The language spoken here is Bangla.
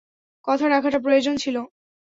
কথা রাখাটা প্রয়োজন ছিল।